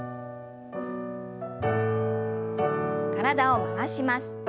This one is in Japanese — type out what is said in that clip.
体を回します。